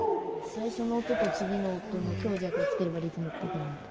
最初の音と次の音の強弱をつければリズムっぽくなる。